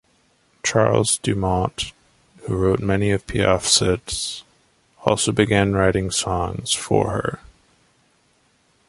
Charles Dumont, who wrote many of Piaf's hits, also began writing songs for her.